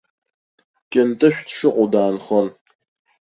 Кьынтышә дшыҟоу даанхон.